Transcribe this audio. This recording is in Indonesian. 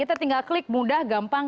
kita tinggal klik mudah gampang